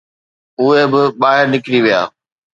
اهي به ٻاهر نڪري ويا.